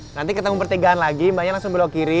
nanti ketemu pertigaan lagi mbahnya langsung belok kiri